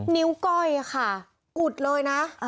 นิ้วก้อยอุดเลยนะ